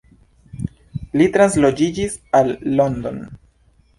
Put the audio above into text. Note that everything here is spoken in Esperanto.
Li transloĝiĝis al London.